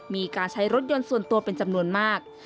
มีการใช้รถยนต์ส่วนตัวเป็นจำนวนมาก